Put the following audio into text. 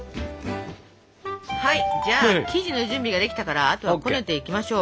はいじゃあ生地の準備ができたからあとはこねていきましょう。